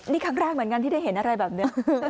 นี่ครั้งแรกเหมือนกันที่ได้เห็นอะไรแบบนี้